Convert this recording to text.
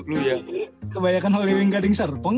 kebanyakan hollywing gading serpeng